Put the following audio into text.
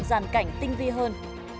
giàn cảnh tinh vi hơn